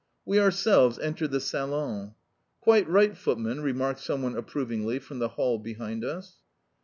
We ourselves entered the salon. "Quite right, footman," remarked someone approvingly from the ball behind us.